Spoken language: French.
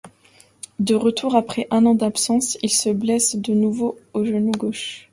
De retour après un an d'absence, il se blesse de nouveau au genou gauche.